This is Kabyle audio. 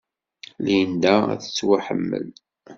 Linda ad tettwaḥemmel.